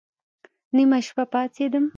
نيمه شپه پاڅېدم.